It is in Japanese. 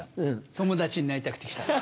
友達になりたくて来たんだ。